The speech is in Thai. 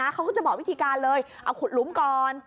เขาก็จะบอกวิธีการเลยเอาขุดหลุมก่อน